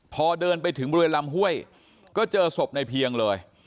พอเดินไปถึงบริเวณลำห้วยก็เจอศพในเพียงเลย